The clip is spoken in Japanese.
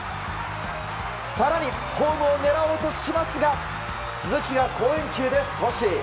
更にホームを狙おうとしますが鈴木が好返球で阻止。